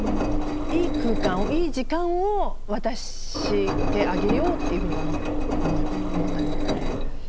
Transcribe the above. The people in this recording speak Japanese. いい空間をいい時間を渡してあげようっていうふうに思ったんですかね。